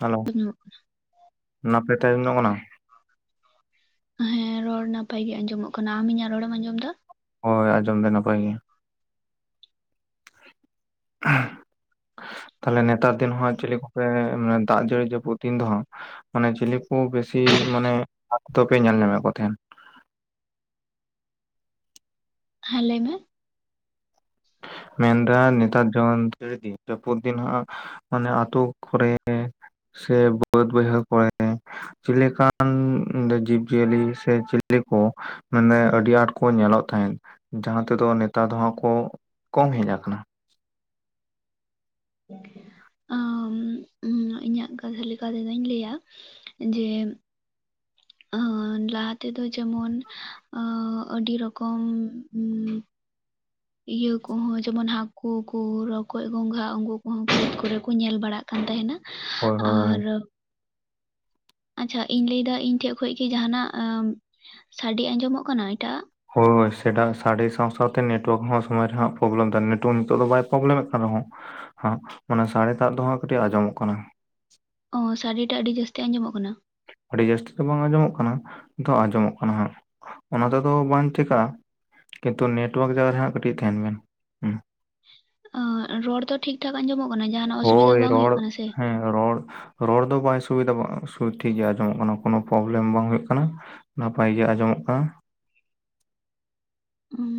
Hello. [inaudible] ᱱᱟᱯᱟᱭᱛᱮ ᱟᱸᱡᱚᱢᱚᱜ ᱠᱟᱱᱟ? [inaudible] ᱦᱮᱸ, ᱨᱚᱲ ᱱᱟᱯᱟᱭ ᱜᱮ ᱟᱸᱡᱚᱢᱚᱜ ᱠᱟᱱᱟ ᱾ ᱟᱢ ᱤᱧᱟᱹᱜ ᱨᱚᱲᱮᱢ ᱟᱸᱡᱚᱢ ᱮᱫᱟ? ᱦᱳᱭ ᱟᱸᱡᱚᱢ ᱮᱫᱟᱭ ᱱᱟᱯᱟᱭ ᱜᱮ ᱾ ᱛᱟᱞᱦᱮ ᱱᱮᱛᱟᱨ ᱫᱤᱱ ᱦᱚᱸ ᱪᱤᱞᱤ ᱠᱚᱯᱮᱼ ᱫᱟᱜ ᱡᱟᱹᱲᱤ ᱡᱟᱹᱯᱩᱫ ᱫᱤᱱ ᱨᱮᱦᱚᱸ, ᱢᱟᱱᱮ ᱪᱤᱞᱤ ᱠᱚ ᱵᱤᱥᱤ ᱢᱟᱱᱮ ᱟᱯᱮ ᱫᱚ ᱯᱮ ᱧᱮᱞ ᱧᱟᱢᱮᱫ ᱠᱚ ᱛᱟᱦᱮᱱ? ᱦᱮᱸ ᱞᱟᱹᱭ ᱢᱮ? ᱢᱮᱱᱫᱟᱹᱣ ᱱᱮᱛᱟᱨ ᱡᱚᱱ ᱡᱟᱹᱯᱩᱫ ᱫᱤᱱ ᱦᱚᱸ ᱢᱟᱱᱮ ᱟᱛᱩ ᱠᱚᱨᱮ ᱥᱮ ᱵᱟᱹᱫᱽ ᱵᱟᱹᱭᱦᱟᱹᱲ ᱠᱚᱨᱮ? ᱪᱮᱫᱞᱮᱠᱟᱱ ᱡᱤᱵ ᱡᱤᱭᱟᱹᱞᱤ ᱥᱮ ᱪᱤᱞᱤ ᱠᱚ ᱢᱟᱱᱮ ᱟᱹᱰᱤ ᱟᱸᱴ ᱠᱚ ᱧᱮᱞᱚᱜ ᱛᱟᱦᱮᱸᱫ, ᱡᱟᱦᱟᱸ ᱛᱮᱫᱚ ᱱᱮᱛᱟᱨ ᱫᱚ ᱦᱟᱸᱜ ᱠᱚ, ᱠᱚᱢ ᱦᱮᱡ ᱟᱠᱟᱱᱟ ᱾ ᱚᱢ᱾ ᱚᱸ, ᱤᱧᱟᱹᱜ ᱠᱟᱛᱷᱟ ᱞᱮᱠᱟ ᱛᱮᱫᱚᱧ ᱞᱟᱹᱭᱟ ᱡᱮ ᱟᱨ ᱾ ᱞᱟᱦᱟ ᱛᱮᱫᱚ ᱡᱮᱢᱚᱱ ᱚᱸᱻ ᱟᱹᱰᱤ ᱨᱚᱠᱚᱢᱼᱼ [inaudible] ᱤᱭᱟᱹ ᱠᱚᱦᱚᱸ ᱡᱮᱢᱚᱱ ᱦᱟᱹᱠᱩ ᱠᱚ ᱨᱚᱠᱚᱡ, ᱜᱚᱝᱜᱷᱟ ᱩᱱᱠᱩ ᱠᱚᱦᱚᱸ ᱵᱟᱹᱫᱽ ᱠᱚᱨᱮ ᱠᱚ ᱧᱮᱞ ᱵᱟᱲᱟᱜ ᱠᱟᱱᱟ ᱾ ᱠᱟᱱ ᱛᱟᱦᱮᱱᱟ ᱦᱳᱭ ᱦᱳᱭ ᱟᱨᱼ ᱟᱪᱷᱟ, ᱤᱧ ᱞᱟᱹᱭ ᱮᱫᱟ ᱤᱧ ᱴᱷᱮᱡ ᱠᱷᱚᱭ ᱠᱤ ᱡᱟᱦᱟᱱᱟᱜ ᱥᱟᱰᱮ ᱟᱸᱡᱚᱢᱚᱜ ᱠᱟᱱᱟ ᱮᱴᱟᱜᱼᱟ? ᱦᱚᱭ ᱥᱮᱰᱟᱝ ᱥᱟᱲᱮ ᱥᱟᱶ-ᱥᱟᱶ ᱛᱮ ᱱᱮᱴᱣᱟᱨᱠ ᱦᱚᱸ ᱥᱚᱢᱚᱭ ᱨᱮᱦᱟᱸᱜ ᱯᱨᱚᱵᱽᱞᱮᱢ ᱛᱟᱦᱮᱱᱟ, ᱱᱮᱴᱣᱟᱨᱠ ᱱᱤᱛᱚ ᱱᱤᱛᱚᱜ ᱫᱚ ᱵᱟᱭ ᱯᱨᱚᱵᱽᱞᱮᱢᱮᱫ ᱠᱟᱱ ᱨᱮᱦᱚᱸ᱾ ᱦᱚᱸ ᱚᱱᱟ ᱥᱟᱲᱮᱴᱟᱜ ᱫᱚ ᱦᱟᱸᱜ ᱠᱟᱹᱴᱤᱡ ᱟᱸᱡᱚᱢᱚᱜ ᱠᱟᱱᱟ ᱾ ᱚ, ᱥᱟᱰᱮ ᱴᱟᱜ ᱟᱹᱰᱤ ᱡᱟᱹᱥᱛᱤ ᱟᱸᱡᱚᱢᱚᱜ ᱠᱟᱱᱟ? ᱟᱹᱰᱤ ᱡᱟᱹᱥᱛᱤ ᱫᱚ ᱵᱟᱝ ᱟᱸᱡᱚᱢᱚᱜ ᱠᱟᱱᱟ, ᱱᱤᱛᱚᱜ ᱟᱸᱡᱚᱢᱚᱜ ᱠᱟᱱᱟ ᱦᱟᱸᱜ ᱾ ᱚᱱᱟᱛᱮᱫᱚ ᱵᱟᱝ ᱪᱤᱠᱟᱹᱜᱼᱟ ᱾ ᱠᱤᱱᱛᱩ ᱱᱮᱴᱣᱟᱨᱠ ᱡᱟᱭᱜᱟ ᱨᱮᱦᱟᱸᱜ ᱠᱟᱹᱴᱤᱡ ᱛᱟᱦᱮᱱ ᱵᱮᱱ ᱾ ᱚ ᱨᱚᱲ ᱫᱚ ᱴᱷᱤᱠ ᱴᱷᱟᱠ ᱟᱸᱡᱚᱢᱚᱜ ᱠᱟᱱᱟ, ᱡᱟᱦᱟᱱᱟᱜ ᱚᱥᱩᱵᱤᱫᱷᱟ ᱦᱳᱭ ᱵᱟᱝ ᱨᱚᱲ ᱦᱩᱭᱩᱜ ᱠᱟᱱᱟ ᱥᱮ? ᱦᱮᱸ ᱨᱚᱲ, ᱨᱚᱲ ᱫᱚ ᱵᱟᱭ ᱥᱩᱵᱤᱫᱷᱟᱜᱚᱼᱟ ᱴᱷᱤᱠ ᱜᱮ ᱟᱸᱡᱚᱢᱚᱜ ᱠᱟᱱᱟ, ᱠᱳᱱᱦᱳ ᱯᱨᱚᱵᱞᱮᱢ ᱵᱟᱝ ᱦᱩᱭᱩᱜ ᱠᱟᱱᱟ ᱾ ᱱᱟᱯᱟᱭᱜᱮ ᱟᱸᱡᱚᱢᱚᱜᱼᱟ ᱾ ᱩᱸᱻ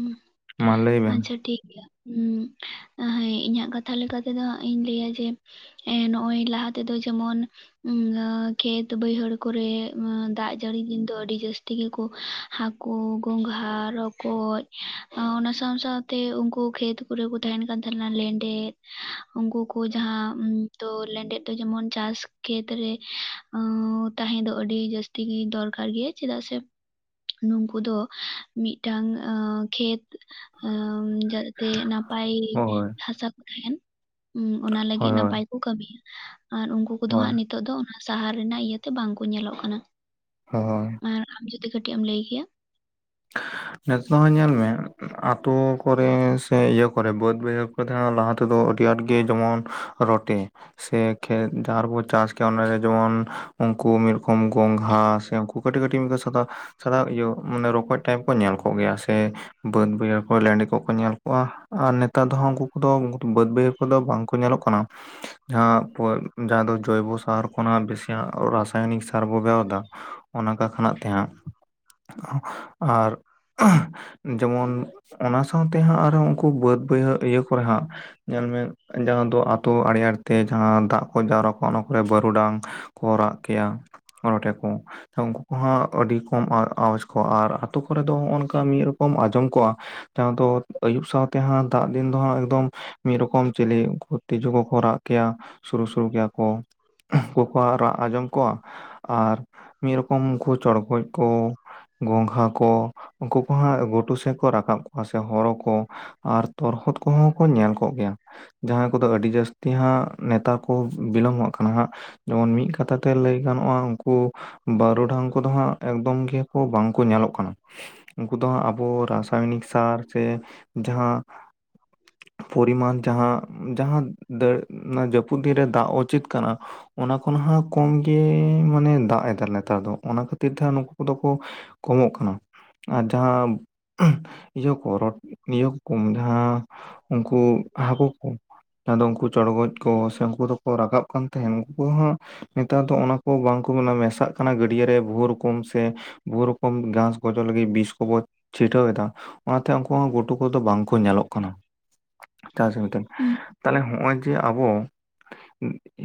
ᱢᱟ ᱞᱟᱹᱭ ᱵᱮᱱ ᱟᱪᱷᱟ ᱴᱷᱤᱠ ᱜᱮᱭᱟ᱾ ᱩᱻ ᱚ ᱦᱚᱸᱭ ᱤᱧᱟᱜ ᱠᱟᱛᱷᱟ ᱞᱮᱠᱟ ᱛᱮᱫᱚ ᱦᱟᱸᱜ ᱤᱧ ᱞᱟᱹᱭᱟ ᱡᱮᱼᱼ ᱮᱸ ᱱᱚᱜ-ᱚᱭ ᱞᱟᱦᱟ ᱛᱮᱫᱚ ᱡᱮᱢᱚᱱᱼᱼ ᱩᱸᱻ ᱟᱻ ᱠᱷᱮᱛ ᱵᱟᱹᱭᱦᱟᱹᱲ ᱠᱚᱨᱮ ᱚᱸ ᱫᱟᱜ ᱡᱟᱹᱲᱤ ᱫᱤᱱ ᱫᱚ ᱟᱹᱰᱤ ᱡᱟᱹᱥᱛᱤ ᱜᱤ ᱠᱚ ᱦᱟᱠᱩᱼᱟ᱾ ᱠᱚ ᱜᱚᱝᱜᱷᱦᱟ ᱨᱚᱠᱚᱭ᱾ ᱠᱚᱡ ᱟᱸᱻ ᱚᱱᱟ ᱥᱟᱶ ᱥᱟᱶᱛᱮ ᱩᱱᱠᱩ ᱠᱷᱮᱛ ᱠᱚᱨᱮ ᱠᱚ ᱛᱟᱦᱮᱱ ᱠᱟᱱ ᱛᱟᱦᱮᱱᱟ ᱞᱮᱸᱰᱮᱛ᱾ ᱩᱱᱠᱩ ᱠᱚ ᱡᱟᱦᱟᱸ ᱩᱸ ᱛᱚ ᱞᱮᱸᱰᱮᱛ ᱫᱚ ᱡᱮᱢᱚᱱ ᱪᱟᱥ ᱠᱷᱮᱛ ᱨᱮᱼᱼ ᱚᱸᱶ ᱛᱟᱦᱮᱸ ᱫᱚ ᱟᱹᱰᱤ ᱡᱟᱹᱥᱛᱤ ᱜᱮ ᱫᱚᱨᱠᱟᱨ ᱜᱮᱭᱟ ᱪᱮᱫᱟᱜ ᱥᱮᱼᱼ ᱱᱩᱝᱠᱩ ᱫᱚ ᱢᱤᱫᱴᱟᱝ ᱚᱸᱻ ᱠᱷᱮᱛ ᱚᱸᱻ ᱡᱟᱼᱼ ᱡᱟᱛᱮ ᱱᱟᱯᱟᱭ ᱦᱳᱭ ᱦᱟᱥᱟ ᱠᱩ ᱛᱟᱦᱮᱱ ᱩᱸ ᱚᱱᱟ ᱦᱳᱭ ᱞᱟᱹᱜᱤᱫ ᱱᱟᱯᱟᱭ ᱠᱚ ᱠᱟᱹᱢᱤᱭᱟ᱾ ᱟᱨ ᱩᱱᱠᱩ ᱠᱚᱫᱚ ᱦᱳᱭ ᱦᱟᱸᱜ ᱱᱤᱛᱚᱜ ᱫᱚ ᱚᱱᱟ ᱥᱟᱦᱟᱨ ᱨᱮᱱᱟᱜ ᱤᱭᱟᱹᱛᱮ ᱵᱟᱝ ᱠᱩ ᱧᱮᱞᱚᱜ ᱠᱟᱱᱟ᱾ ᱦᱚᱭ᱾ ᱟᱨ ᱟᱢ ᱡᱩᱫᱤ ᱠᱟᱹᱴᱤᱡ ᱮᱢ ᱞᱟᱹᱭ ᱠᱮᱭᱟ᱾ ᱱᱤᱛᱚᱜ ᱦᱚᱸ ᱧᱮᱞ ᱢᱮ ᱟᱛᱳ ᱠᱚᱨᱮ ᱥᱮ ᱤᱭᱟᱹ ᱠᱚᱨᱮ ᱵᱟᱹᱫᱽ ᱵᱟᱹᱭᱦᱟᱹᱲ ᱠᱚᱨᱮ ᱛᱟᱦᱮᱱᱟ ᱞᱟᱦᱟᱛᱼᱼ ᱛᱮ ᱫᱚ ᱟᱹᱰᱤ ᱟᱸᱴ ᱜᱮ ᱡᱮᱢᱚᱱ ᱨᱚᱴᱮ, ᱥᱮ ᱠᱷᱮᱛ ᱡᱟᱦᱟᱸ ᱨᱮᱵᱚᱱ ᱪᱟᱥᱼᱼ [unintelligible] ᱚᱱᱟ ᱨᱮ ᱡᱮᱢᱚᱱ ᱩᱱᱠᱩ ᱢᱤᱫ ᱨᱚᱠᱚᱢ ᱜᱚᱸᱜᱷᱟ ᱥᱮ ᱩᱱᱠᱩ ᱠᱟᱹᱴᱤᱡ ᱠᱟᱹᱴᱤᱡ ᱢᱤᱫ‌ ᱥᱟᱛᱟᱼᱼ ᱥᱟᱫᱟ ᱤᱭᱟᱹ ᱢᱟᱱᱮ ᱨᱚᱠᱚᱡ ᱴᱟᱭᱤᱯ ᱠᱚ ᱧᱮᱞ ᱠᱚᱜ ᱜᱮᱭᱟ ᱥᱮᱼᱼ ᱵᱟᱹᱫᱽ ᱵᱟᱹᱭᱦᱟᱹᱲ ᱠᱚᱨᱮ ᱞᱮᱸᱰᱮ ᱠᱚᱠᱚ ᱧᱮᱞ ᱠᱚᱣᱟ ᱟᱨ ᱱᱮᱛᱟᱨ ᱫᱚ ᱦᱟᱸᱜ ᱩᱱᱠᱩ ᱠᱩᱫᱚ ᱵᱟᱹᱫᱽ ᱵᱟᱹᱭᱦᱟᱹᱲᱼᱼ ᱠᱩᱫᱚ ᱵᱟᱝ ᱠᱚ ᱧᱮᱞᱚᱜ ᱠᱟᱱᱟ᱾ ᱡᱟᱦᱟᱸ [unintelligible] ᱡᱟᱦᱟᱸ ᱫᱚ ᱡᱳᱭᱵᱚ ᱥᱟᱨ ᱠᱷᱚᱱᱟᱜ ᱵᱮᱥᱤ ᱦᱟᱸᱜ ᱨᱟᱥᱟᱭᱱᱤᱠ ᱥᱟᱨ ᱵᱚᱱ ᱵᱮᱣᱦᱟᱨ ᱫᱟ᱾ ᱚᱱᱟ ᱠᱟᱠᱷᱟᱱᱟᱜ ᱛᱮᱦᱟᱸᱜᱼᱼ ᱟᱨ‌, ᱟᱸᱦ ᱡᱮᱢᱚᱱ ᱚᱱᱟ ᱥᱟᱶᱛᱮ ᱦᱟᱸᱜ ᱟᱨ ᱦᱚᱸᱼᱼ ᱠᱩ ᱵᱟᱹᱫᱽ ᱵᱟᱹᱭᱦᱟᱹᱲ ᱤᱭᱟᱹ ᱠᱚᱨᱮ ᱦᱟᱸᱜᱼᱼ ᱧᱮᱞ ᱢᱮ ᱡᱟᱦᱟᱸ ᱫᱚ ᱟᱛᱳ ᱟᱲᱮ ᱟᱲᱮ ᱛᱮ ᱡᱟᱦᱟᱸ ᱫᱟᱜ ᱠᱚ ᱡᱟᱣᱨᱟ ᱠᱚᱼᱼ ᱚᱱᱟ ᱠᱚᱨᱮ ᱵᱟᱹᱨᱩ ᱰᱟᱝ ᱠᱚ ᱨᱟᱜ ᱠᱮᱭᱟ᱾ ᱨᱚᱴᱮ‌ ᱠᱩ ᱩᱱᱠᱩ ᱠᱚᱦᱚᱸ ᱟᱹᱰᱤ ᱠᱚᱢ ᱟᱨ ᱟᱣᱟᱡᱽ ᱠᱚᱜ-ᱟ ᱟᱨᱼᱼ ᱛᱩ ᱠᱚᱨᱮ ᱫᱚ ᱦᱚᱸᱜ-ᱚ ᱱᱚᱝᱠᱟ ᱢᱤᱫ ᱨᱚᱠᱚᱢ ᱟᱸᱡᱚᱢ ᱠᱚᱜ-ᱟ ᱡᱟᱦᱟᱸ ᱫᱚ ᱟᱹᱭᱩᱵ ᱥᱟᱶᱛᱮ ᱦᱟᱸᱜ ᱫᱟᱜ ᱫᱤᱱ ᱫᱚ ᱦᱟᱸᱜ ᱮᱠᱫᱚᱢᱼᱼ ᱢᱤᱫ ᱨᱚᱠᱚᱢ ᱪᱮᱞᱮ ᱩᱱᱠᱩ ᱛᱤᱡᱩ ᱠᱚ ᱠᱚ ᱨᱟᱜ ᱠᱮᱭᱟ᱾ ᱥᱩᱨᱩ ᱥᱩᱨᱩ ᱠᱮᱭᱟ ᱠᱚ ᱩᱱᱠᱩ ᱠᱚᱣᱟᱜ ᱨᱟᱜ ᱟᱸᱡᱚᱢ ᱠᱚᱜ-ᱟ᱾ ᱟᱨ ᱢᱤᱫ ᱨᱚᱠᱚᱢ ᱩᱱᱠᱩ ᱪᱚᱬᱜᱚᱡ ᱠᱚ ᱜᱚᱸᱜᱷᱟᱼᱼ ᱩᱱᱠᱩ ᱠᱚ ᱦᱟᱸᱜ ᱜᱷᱩᱴᱩ ᱥᱮᱫ ᱠᱚ ᱨᱟᱠᱟᱵ ᱠᱚᱜ-ᱟ ᱥᱮ ᱦᱚᱨᱚ ᱠᱚ ᱟᱨ ᱛᱚᱨᱦᱚᱫ ᱠᱚᱦᱚᱸ ᱠᱚ ᱧᱮᱞ ᱠᱚᱜ ᱜᱮᱭᱟ᱾ ᱡᱟᱦᱟᱸᱭ ᱠᱩᱫᱚ ᱟᱹᱰᱤ ᱡᱟᱹᱥᱛᱤ ᱦᱟᱸᱜ ᱱᱮᱛᱟᱨ ᱠᱚ ᱵᱤᱞᱚᱢᱚᱜ ᱠᱟᱱᱟ ᱦᱟᱸᱜ᱾ ᱡᱮᱢᱚᱱ ᱢᱤᱫ ᱠᱟᱛᱷᱟ ᱛᱮ ᱞᱟᱹᱭ ᱜᱟᱱᱚᱜ-ᱟ ᱩᱱᱠᱩᱼᱼ ᱵᱟᱹᱨᱩ ᱰᱟᱝ ᱠᱩᱫᱚ ᱦᱟᱸᱜ ᱮᱠᱫᱚᱢ ᱜᱮᱠᱚ ᱵᱟᱝ ᱠᱚ ᱧᱮᱞᱚᱜᱼᱼ ᱠᱟᱱᱟ, ᱩᱱᱠᱩ ᱫᱚ ᱦᱟᱸᱜ ᱟᱵᱚ ᱨᱟᱥᱟᱭᱱᱤᱠ ᱥᱟᱨ ᱥᱮ ᱡᱟᱦᱟᱸᱼᱼ ᱯᱚᱨᱤᱢᱟᱱ ᱡᱟᱦᱟᱸ ᱡᱟᱦᱟᱸ ᱫᱟᱹᱲ [unintelligible] ᱡᱟᱹᱯᱼᱼ ᱯᱩᱜ ᱫᱤᱱ ᱨᱮ ᱫᱟᱜ ᱩᱪᱤᱛ ᱠᱟᱱᱟ ᱚᱱᱟ ᱠᱷᱚᱱ ᱦᱟᱸᱜ ᱠᱚᱢ ᱜᱮ ᱢᱟᱱᱮ ᱫᱟᱜ ᱮᱫᱟ ᱱᱮᱛᱟᱨ ᱫᱚ᱾ ᱚᱱᱟ ᱠᱷᱟᱹᱛᱤᱨ ᱛᱮ ᱦᱟᱸᱜ ᱱᱩᱠᱩ ᱠᱚᱫᱚ ᱠᱚ ᱠᱚᱢᱚᱜ ᱠᱟᱱᱟ ᱟᱨ ᱡᱟᱦᱟᱸᱼᱼ ᱤᱭᱟᱹ ᱠᱚ ᱨᱚᱴ ᱤᱭᱟᱹ ᱠᱚᱢ ᱡᱟᱦᱟᱸ ᱩᱱᱠᱩ ᱦᱟᱠᱩ ᱠᱚ᱾ ᱡᱟᱦᱟᱸ ᱫᱚ ᱩᱱᱠᱩ ᱪᱚᱬᱜᱚᱡ ᱠᱚ ᱥᱮ ᱩᱱᱠᱩ ᱫᱚᱠᱚ ᱨᱟᱠᱟᱵ ᱠᱟᱱ ᱛᱟᱦᱮᱸᱱ ᱩᱱᱠᱩ ᱦᱚᱸᱼᱼ ᱱᱮᱛᱟᱨ ᱫᱚ ᱚᱱᱟ ᱠᱚ ᱵᱟᱝ ᱠᱚ ᱢᱮᱱᱟ ᱢᱮᱥᱟᱜ ᱠᱟᱱᱟ ᱜᱟᱹᱰᱭᱟᱹ ᱨᱮ ᱵᱚᱦᱩ ᱨᱚᱠᱚᱢ ᱥᱮ ᱵᱚᱦᱩ ᱨᱚᱠᱚᱢ ᱜᱷᱟᱸᱥᱼᱼ ᱜᱚᱡᱚᱜ ᱞᱟᱹᱜᱤᱫ ᱵᱤᱥ ᱠᱚᱵᱚ ᱪᱷᱤᱴᱟᱹᱣ ᱮᱫᱟ ᱚᱱᱟᱛᱮ ᱩᱱᱠᱩ ᱦᱚᱸ ᱜᱩᱰᱩ ᱠᱚᱫᱚ ᱵᱟᱝ ᱠᱚ ᱧᱮᱞᱚᱜ ᱠᱟᱱᱟ᱾ ᱦᱩᱸ, [unintelligible] ᱛᱟᱦᱞᱮ‌ ᱦᱚᱸᱜ-ᱚᱸᱭᱼᱼ ᱡᱮ ᱟᱵᱚ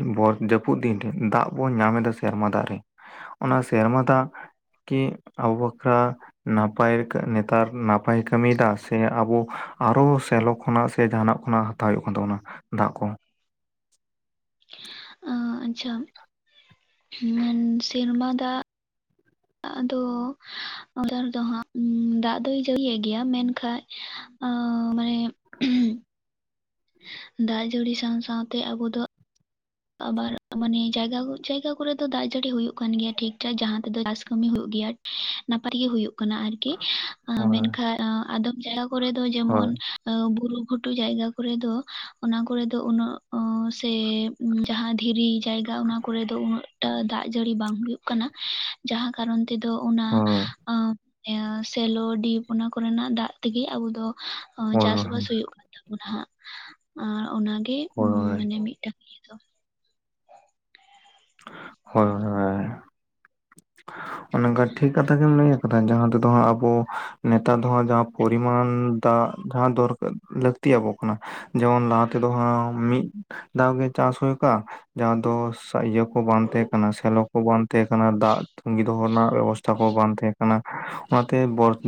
ᱮ ᱵᱚᱨ ᱡᱟᱹᱯᱩᱫ ᱫᱤᱱ ᱨᱮ ᱫᱟᱜ ᱵᱚ ᱧᱟᱢ ᱫᱟ ᱥᱮᱨᱢᱟ ᱫᱟᱜ ᱨᱮᱼᱼ ᱚᱱᱟ ᱥᱮᱨᱢᱟ ᱫᱟᱜ ᱠᱤ ᱟᱵᱚᱼᱼ [unintelligible] ‌ ᱱᱟᱯᱟᱭ ᱠᱟ ᱱᱮᱛᱟᱨ ᱱᱟᱯᱟᱭ ᱠᱟᱹᱢᱤᱭ ᱫᱟ ᱥᱮ ᱟᱵᱚ ᱟᱨᱚ ᱥᱮᱞᱚᱠᱼᱼ ᱠᱷᱚᱱᱟᱜ ᱥᱮ ᱡᱟᱦᱟᱸ ᱱᱟᱜ ᱠᱷᱚᱱᱟᱜ ᱦᱟᱛᱟᱣ ᱦᱩᱭᱩᱜ ᱠᱟᱱ ᱛᱟᱵᱚᱱᱟ ᱫᱟᱜ ᱠᱚ᱾ ᱟᱻ, ᱟᱪᱪᱷᱟ, ᱥᱮᱨᱢᱟ ᱫᱟᱜ ᱟᱫᱚ ᱫᱚ ᱦᱟᱸᱜ ᱫᱟᱜ ᱫᱚᱭ ᱡᱟᱹᱲᱤᱭᱮᱫ ᱜᱮᱭᱟ ᱢᱮᱱᱠᱷᱟᱡ ᱟᱸᱻ, ᱢᱟᱱᱮ ᱫᱟᱜ ᱡᱟᱹᱲᱤ ᱥᱟᱶ ᱥᱟᱶᱛᱮ ᱟᱵᱚ ᱫᱚ ᱟᱵᱟᱨ ᱢᱟᱱᱮ ᱡᱟᱭᱜᱟ ᱡᱟᱭᱜᱟ ᱠᱚᱨᱮᱫᱚ ᱫᱟᱜ ᱡᱟᱹᱲᱤ ᱦᱩᱭᱩᱜ ᱠᱟᱱ ᱜᱮᱭᱟ ᱴᱷᱤᱠ ᱴᱷᱟᱠ ᱡᱟᱦᱟᱸ ᱛᱮᱫᱚ ᱪᱟᱥ ᱠᱟᱹᱢᱤ ᱦᱩᱭᱩᱜ ᱜᱮᱭᱟ, ᱱᱟᱯᱟᱭ ᱜᱮ ᱦᱩᱭᱩᱜ ᱠᱟᱱᱟ ᱟᱨᱠᱤ ᱦᱳᱭ ᱢᱮᱱᱠᱷᱟᱱ ᱟᱫᱚᱢ ᱡᱟᱭᱜᱟ ᱠᱚᱨᱮ ᱫᱚ ᱦᱳᱭ ᱡᱮᱢᱚᱱ ᱵᱩᱨᱩ ᱜᱷᱩᱴᱩ ᱡᱟᱭᱜᱟ ᱠᱚᱨᱮ ᱫᱚ ᱚᱱᱟ ᱠᱚᱨᱮᱫᱚ ᱩᱱᱟᱹᱜ ᱥᱮ ᱡᱟᱦᱟᱸ ᱫᱷᱤᱨᱤ ᱡᱟᱭᱜᱟ ᱚᱱᱟ ᱠᱚᱨᱮ ᱫᱚ ᱩᱱᱟᱹᱜ ᱴᱟ ᱫᱟᱜ ᱡᱟᱹᱲᱤ ᱵᱟᱝ ᱦᱩᱭᱩᱜ ᱠᱟᱱᱟ ᱡᱟᱦᱟᱸ ᱠᱟᱨᱚᱱ ᱛᱮᱫᱚ ᱚᱱᱟ ᱦᱳᱭ ᱟ ᱥᱮᱞᱚ, ᱪᱤᱯ, ᱚᱱᱟ ᱠᱚᱨᱮᱱᱟᱜ ᱫᱟᱜ ᱛᱮᱜᱤ ᱟᱵᱚ ᱫᱚ ᱦᱳᱭ ᱪᱟᱥᱵᱟᱥ ᱦᱩᱭᱩᱜ ᱠᱟᱱᱟ᱾ ᱦᱟᱸᱜ ᱟᱨ ᱚᱱᱟᱜᱮ ᱦᱳᱭ ᱦᱳᱭ ᱢᱟᱱᱮ ᱢᱤᱫᱴᱟᱝ [unintelligible] ᱦᱳᱭ ᱦᱳᱭ ᱚᱱᱮ ᱚᱝᱠᱟ ᱴᱷᱤᱠ ᱠᱟᱛᱷᱟ ᱜᱮᱢ ᱞᱟᱹᱭ ᱟᱠᱟᱫᱟ ᱡᱟᱦᱟᱸ ᱛᱮᱫᱚ ᱦᱟᱸᱜ ᱟᱵᱚ ᱱᱮᱛᱟᱨ ᱫᱚ ᱦᱟᱜ ᱯᱚᱨᱤᱢᱟᱱ ᱫᱟᱜ ᱡᱟᱦᱟᱸ ᱫᱚᱨ ᱞᱟᱹᱠᱛᱤ ᱟᱵᱚ ᱠᱟᱱᱟ ᱡᱮᱢᱚᱱ ᱞᱟᱦᱟ ᱛᱮᱫᱚ ᱢᱤᱫ ᱫᱷᱟᱣ ᱜᱮ ᱪᱟᱥ ᱦᱩᱭ ᱠᱚᱜᱼᱟ ᱡᱟᱦᱟᱸ ᱫᱚ ᱤᱭᱟᱹ ᱠᱚ ᱵᱟᱝ ᱛᱟᱦᱮᱸ ᱠᱟᱱᱟ ᱥᱮᱞᱚ ᱠᱚ ᱵᱟᱝ ᱛᱟᱦᱮᱸ ᱠᱟᱱᱟ ᱫᱟᱜ ᱛᱤ ᱫᱚᱦᱚ ᱨᱮᱱᱟᱜ ᱵᱮᱵᱚᱥᱛᱷᱟ ᱠᱚ ᱵᱟᱝ ᱛᱟᱦᱮᱸ ᱠᱟᱱᱟ ᱚᱱᱟᱛᱮ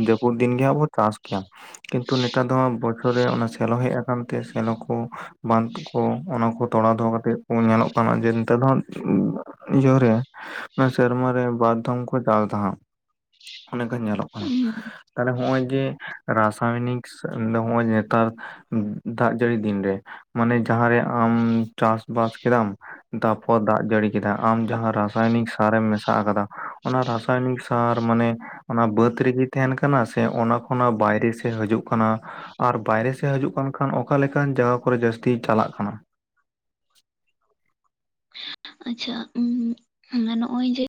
ᱡᱟᱹᱯᱩᱫ ᱫᱤᱱ ᱜᱮᱦᱟᱸᱜ ᱵᱚᱱ ᱪᱟᱥ ᱜᱮᱭᱟ ᱠᱤᱱᱛᱩ ᱱᱮᱛᱟᱨ ᱫᱚ ᱵᱚᱪᱷᱚᱨ ᱨᱮ ᱚᱱᱟ ᱥᱮᱞᱚ ᱦᱮᱡ ᱟᱠᱟᱱ ᱛᱮ ᱥᱮᱞᱚ ᱠᱚ ᱵᱟᱸᱫᱷ ᱠᱚ ᱚᱱᱟ ᱠᱚ ᱛᱚᱲᱟ ᱫᱚᱦᱚ ᱠᱟᱛᱮᱫ ᱠᱚ ᱧᱮᱞᱚᱜ ᱠᱟᱱᱟ ᱡᱮ ᱱᱮᱛᱟᱨ ᱫᱚ ᱡᱩᱨᱮ ᱥᱮᱨᱢᱟ ᱨᱮ ᱵᱟᱨ ᱫᱷᱚᱢ ᱠᱚ ᱪᱟᱥ ᱫᱟᱦᱟᱜ ᱚᱱᱮ ᱚᱝᱠᱟ ᱧᱮᱞᱚᱜ ᱠᱟᱱᱟ ᱦᱩᱸ ᱛᱟᱦᱮ ᱱᱚᱜᱼᱚᱭ ᱡᱮ ᱨᱟᱥᱟᱭᱚᱱᱤᱠ ᱦᱚᱸᱜᱼᱚᱭ ᱱᱮᱛᱟᱨ ᱫᱟᱜ ᱡᱟᱹᱲᱤ ᱫᱤᱱᱨᱮ ᱢᱟᱱᱮ ᱡᱟᱸᱦᱟ ᱨᱮ ᱟᱢ ᱪᱟᱥᱵᱟᱥ ᱠᱮᱫᱟᱢ ᱛᱟᱯᱚᱨ ᱫᱟᱜ ᱡᱟᱹᱲᱤ ᱠᱮᱫᱟ ᱟᱢ ᱡᱟᱦᱟᱸ ᱨᱟᱥᱟᱭᱱᱤᱠ ᱥᱟᱨᱮᱢ ᱢᱮᱥᱟ ᱟᱠᱟᱫᱟ ᱚᱱᱟ ᱨᱟᱥᱟᱭᱚᱱᱤᱠ ᱥᱟᱨ ᱢᱟᱱᱮ ᱚᱱᱟ ᱵᱟᱹᱫ ᱨᱮᱜᱮ ᱛᱟᱦᱮᱱ ᱠᱟᱱᱟ ᱥᱮ ᱚᱱᱟ ᱠᱷᱚᱱᱟᱜ ᱵᱟᱭᱨᱮ ᱥᱮᱡ ᱦᱤᱡᱩᱜ ᱠᱟᱱᱟ ᱟᱨ ᱵᱟᱭᱨᱮ ᱥᱮᱫ ᱦᱤᱡᱩᱜ ᱠᱟᱱ ᱠᱷᱟᱱ ᱚᱠᱟᱞᱮᱠᱟᱱ ᱡᱟᱭᱜᱟ ᱠᱚᱨᱮ ᱡᱟᱹᱥᱛᱤ ᱪᱟᱞᱟᱜ ᱠᱟᱱᱟ ᱟᱪᱪᱷᱟ ᱱᱚᱜᱼᱚᱭ ᱡᱮ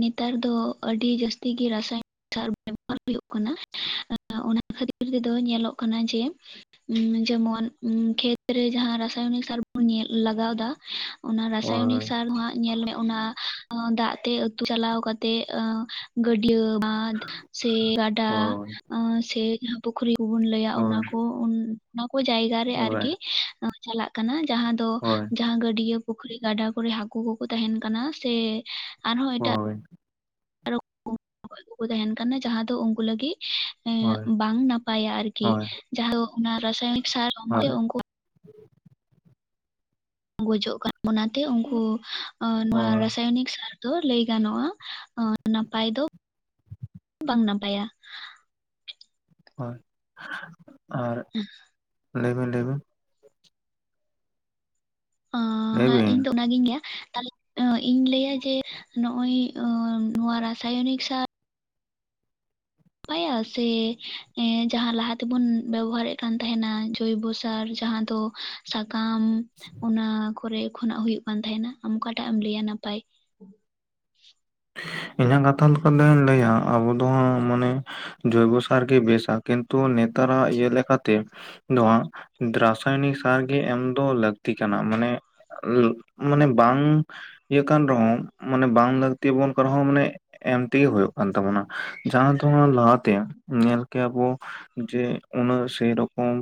ᱱᱮᱛᱟᱨ ᱫᱚ ᱟᱹᱰᱤ ᱡᱟᱹᱥᱛᱤ ᱜᱮ ᱨᱟᱥᱟᱭᱚᱱᱤᱠ ᱥᱟᱨ ᱵᱮᱵᱚᱦᱟᱨ ᱦᱩᱭᱩᱜ ᱠᱟᱱᱟ ᱚᱱᱟ ᱠᱷᱟᱹᱛᱤᱨ ᱛᱮᱫᱚ ᱧᱮᱞᱚᱜ ᱠᱟᱱᱟ ᱡᱮ ᱡᱮᱢᱚᱱ ᱠᱷᱮᱛᱨᱮ ᱡᱟᱦᱟᱸ ᱨᱟᱥᱟᱭᱚᱱᱤᱠ ᱥᱟᱨ ᱵᱚᱱ ᱧᱮᱞ ᱞᱟᱜᱟᱣ ᱮᱫᱟ ᱚᱱᱟ ᱨᱟᱥᱟᱭᱚᱱᱤᱠ ᱦᱳᱭ ᱥᱟᱨ ᱦᱟᱸᱟᱜ ᱧᱮᱞ ᱢᱮ ᱚᱱᱟ ᱫᱟᱜ ᱛᱮ ᱟᱹᱛᱩ ᱪᱟᱞᱟᱣ ᱠᱟᱛᱮᱜ ᱜᱟᱹᱰᱭᱟᱹ ᱵᱟᱫᱷ ᱥᱮ ᱜᱟᱰᱟ ᱦᱳᱭ ᱥᱮ ᱡᱟᱦᱟᱸ ᱯᱩᱠᱷᱨᱤ ᱠᱚᱵᱩᱱ ᱞᱟᱹᱭᱟ ᱚᱱᱟ ᱦᱳᱭ ᱠᱚ ᱚᱱᱟ ᱠᱚ ᱡᱟᱭᱜᱟ ᱨᱮ ᱦᱳᱭ ᱟᱨᱠᱤ ᱪᱟᱞᱟᱜ ᱠᱟᱱᱟ ᱡᱟᱦᱟᱸ ᱫᱚ ᱦᱳᱭ ᱡᱟᱦᱟᱸ ᱜᱟᱹᱰᱭᱟᱹ ᱯᱩᱠᱷᱨᱤ ᱜᱟᱰᱟ ᱠᱚᱨᱮ ᱦᱟᱠᱩ ᱠᱚᱠᱚ ᱛᱟᱦᱮᱱ ᱠᱟᱱᱟ ᱥᱮ ᱟᱨᱦᱚᱸ ᱮᱴᱟᱜ ᱦᱳᱭ ᱛᱟᱦᱮᱱ ᱠᱟᱱᱟ ᱡᱟᱦᱟᱸ ᱫᱚ ᱩᱱᱠᱩ ᱞᱟᱹᱜᱤᱫ ᱦᱳᱭ ᱵᱟᱝ ᱱᱟᱯᱟᱭ ᱯᱟᱭᱟ ᱟᱨᱠᱤ ᱦᱳᱭ ᱡᱟᱦᱟᱸ ᱚᱱᱟ ᱨᱟᱥᱟᱭᱚᱱᱤᱠ ᱥᱟᱨ ᱦᱳᱭ ᱩᱱᱠᱩ ᱜᱚᱡᱚᱜ ᱠᱟᱱᱟ ᱚᱱᱟᱛᱮ ᱩᱱᱠᱩ ᱱᱚᱣᱟ ᱦᱳᱭ ᱨᱟᱥᱟᱭᱚᱱᱤᱠ ᱥᱟᱨ ᱫᱚ ᱞᱟᱹᱭ ᱜᱟᱱᱚᱜᱼᱟ ᱱᱟᱯᱟᱭ ᱫᱚ ᱵᱟᱝ ᱱᱟᱯᱟᱭᱟ ᱦᱳᱭ ᱟᱨ [unintelligible] ᱞᱟᱹᱭᱵᱮᱱ ᱞᱟᱹᱭᱵᱮᱱ ᱤᱧ ᱞᱟᱹᱭᱵᱤᱱ ᱫᱚ ᱚᱱᱟᱜᱤᱧ ᱜᱮᱭᱟ ᱛᱮ ᱤᱧ ᱞᱟᱹᱭᱟ ᱡᱮ ᱱᱚᱜ ᱚᱭ ᱱᱚᱣᱟ ᱨᱟᱥᱟᱭᱚᱱᱤᱠ ᱥᱟᱨ ᱱᱟᱯᱟᱭᱟ ᱥᱮ ᱡᱟᱦᱟᱸ ᱞᱟᱦᱟ ᱛᱮᱵᱚᱱ ᱵᱮᱵᱚᱦᱟᱨᱮᱫ ᱠᱟᱱ ᱛᱟᱦᱮᱱᱟ ᱡᱚᱭᱵᱚ ᱥᱟᱨ ᱡᱟᱦᱟᱸ ᱫᱚ ᱥᱟᱠᱟᱢ ᱚᱱᱟ ᱠᱚᱨᱮ ᱠᱷᱚᱱᱟᱜᱽ ᱦᱩᱭᱩᱜᱽ ᱠᱟᱱ ᱛᱟᱦᱮᱱᱟ ᱟᱢ ᱚᱠᱟᱴᱟᱜᱽ ᱮᱢ ᱞᱟᱹᱭᱟ ᱱᱟᱯᱟᱭ ᱤᱧᱟᱹᱜ ᱠᱟᱛᱷᱟ ᱞᱮᱠᱟᱛᱮᱧ ᱞᱟᱹᱭᱟ ᱟᱵᱚ ᱫᱚ ᱢᱟᱱᱮ ᱡᱳᱭᱵᱚ ᱥᱟᱨ ᱜᱮ ᱵᱮᱥᱟ ᱠᱤᱱᱛᱩ ᱱᱮᱛᱟ ᱨᱟᱜ ᱤᱭᱟᱹ ᱞᱮᱠᱟᱛᱮ ᱱᱚᱣᱟ ᱨᱟᱥᱟᱭᱚᱱᱤᱠ ᱥᱟᱨ ᱜᱮ ᱮᱢ ᱫᱚ ᱞᱟᱹᱠᱛᱤ ᱠᱟᱱᱟ ᱢᱟᱱᱮ ᱟᱹᱞ ᱢᱟᱱᱮ ᱵᱟᱝ ᱤᱭᱟᱹ ᱠᱟᱱ ᱨᱮᱦᱚᱸ ᱢᱟᱱᱮ ᱵᱟᱝ ᱞᱟᱹᱠ ᱛᱮ ᱵᱚᱱ ᱠᱟᱨᱦᱚᱸ ᱢᱟᱱᱮ ᱮᱢ ᱛᱮᱜᱮ ᱦᱩᱭᱩᱜ ᱠᱟᱱ ᱛᱟᱵᱚᱱᱟ ᱡᱟᱦᱟᱸ ᱫᱚ ᱞᱟᱦᱟ ᱛᱮ ᱧᱮᱞ ᱠᱮᱭᱟ ᱵᱚ ᱡᱮ ᱩᱱᱟᱹᱜ ᱥᱮᱨᱚᱠᱚᱢ